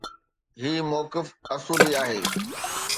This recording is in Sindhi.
هي موقف اصولي آهي